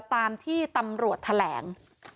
ตามที่ตำรวจแถลง